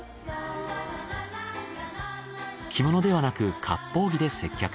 着物ではなく割烹着で接客。